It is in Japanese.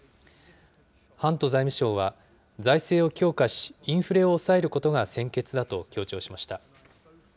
ハント財務相は、財政を強化し、インフレを抑えることが先決だと強調しました。